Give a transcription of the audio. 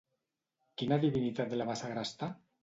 Quina divinitat la va segrestar?